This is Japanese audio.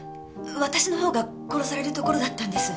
私の方が殺されるところだったんです。